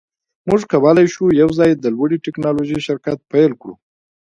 موږ کولی شو یوځای د لوړې ټیکنالوژۍ شرکت پیل کړو